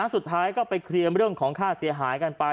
สุดท้ายก็ไปเคลียร์เรื่องของค่าเสียหายกันไป